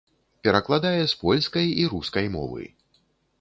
Перакладае з польскай і рускай мовы.